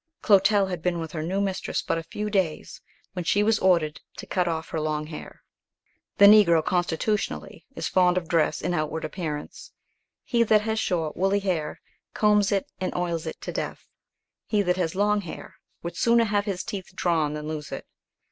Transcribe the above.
Clotel had been with her new mistress but a few days, when she was ordered to cut off her long hair. The Negro, constitutionally, is fond of dress and outward appearance. He that has short, woolly hair, combs it and oils it to death. He that has long hair, would sooner have his teeth drawn than lose it.